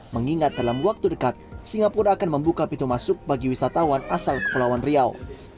mengingat dalam waktu dekat singapura akan membuka pintu masuk bagi wisatawan asal kepulauan riau